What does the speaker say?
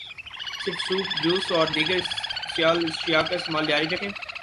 صرف soup, juice, اور دیگر سیال اشیاء کا استعمال جاری رکھیں۔